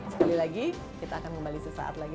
sekali lagi kita akan kembali sesaat lagi